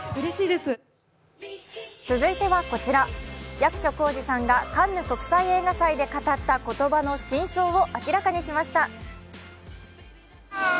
役所広司さんがカンヌ国際映画祭で語った言葉の真相を明らかにしました。